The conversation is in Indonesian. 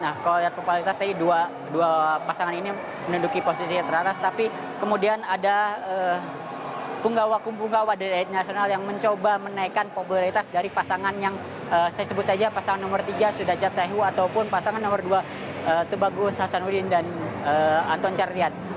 nah kalau lihat populeritas tadi dua pasangan ini menunduki posisi teratas tapi kemudian ada punggawa punggawa dln yang mencoba menaikkan populeritas dari pasangan yang saya sebut saja pasangan nomor tiga sudha jatsehu ataupun pasangan nomor dua tubagus hasanuddin dan anton carliat